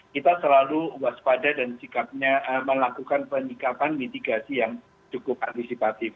kita selalu waspada dan sikapnya melakukan penyikapan mitigasi yang cukup antisipatif